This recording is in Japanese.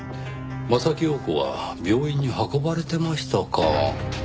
柾庸子は病院に運ばれてましたか。